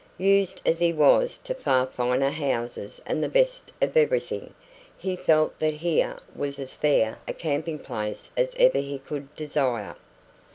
Used as he was to far finer houses and the best of everything, he felt that here was as fair a camping place as even he could desire.